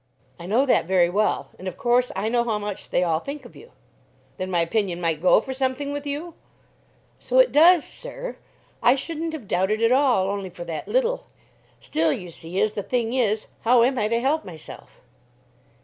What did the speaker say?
"I know that very well; and, of course, I know how much they all think of you." "Then my opinion might go for something with you?" "So it does, sir; I shouldn't have doubted at all only for that little. Still, you see, as the thing is, how am I to help myself?"